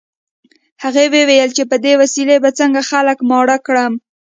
هغه ویې ویل چې په دې وسیلې به څنګه خلک ماړه کړم